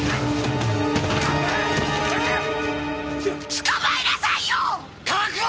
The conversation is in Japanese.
捕まえなさいよ！！確保！